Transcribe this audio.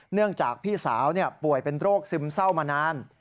เนื่องจากพี่สาวป่วยเป็นโรคซึมเศร้ามานาน